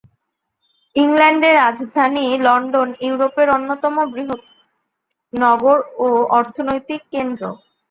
ইংল্যান্ডের রাজধানী লন্ডন ইউরোপের অন্যতম বৃহৎ নগর ও অর্থনৈতিক কেন্দ্র।